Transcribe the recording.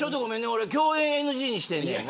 俺、共演ＮＧにしてんねん。